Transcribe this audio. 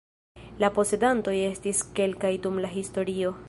La posedantoj estis kelkaj dum la historio.